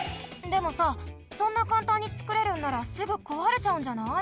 でもさそんなかんたんにつくれるんならすぐこわれちゃうんじゃない？